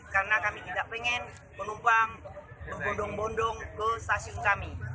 karena kami tidak ingin penumpang membondong bondong ke stasiun kami